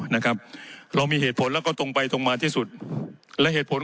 นะครับเรามีเหตุผลแล้วก็ตรงไปตรงมาที่สุดและเหตุผล